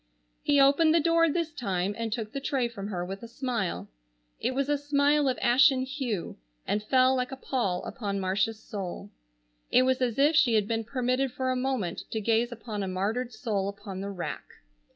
He opened the door this time and took the tray from her with a smile. It was a smile of ashen hue, and fell like a pall upon Marcia's soul. It was as if she had been permitted for a moment to gaze upon a martyred soul upon the rack.